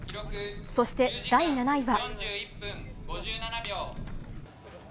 そして第７位は。